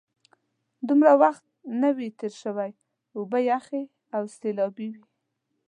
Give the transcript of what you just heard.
خو دومره وخت نه وي تېر شوی، اوبه یخې او سیلابي وې.